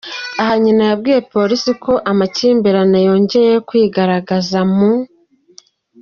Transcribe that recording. Aha nyina yabwiye Polisi ko ari amakimbirane yongeye kwigaragaza mu.